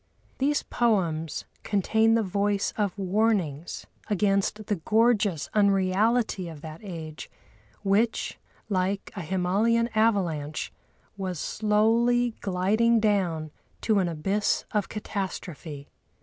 These poems contain the voice of warnings against the gorgeous unreality of that age, which, like a Himalayan avalanche, was slowly gliding down to an abyss of catastrophe.